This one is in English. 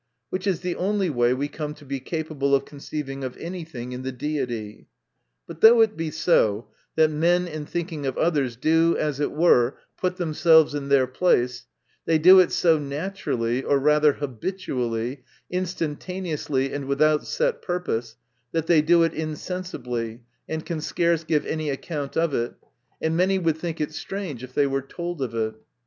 Which is the only way we come to be ca pable of conceiving of any thing in the Deity. But though it be so, that men in thinking of others do, as it were, put them selves in their place, they do it so naturally, or rather habitually, instantaneously and without set purpose, that they do it insensibly, and can scarce give any account of it, and many would think strange if they were told of it.